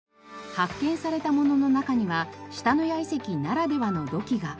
発見されたものの中には下野谷遺跡ならではの土器が。